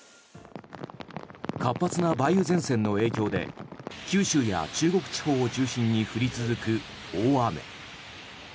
活発な梅雨前線の影響で九州や中国地方を中心に降り続く大雨。